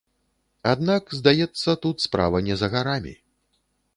Аднак, здаецца, тут справа не за гарамі.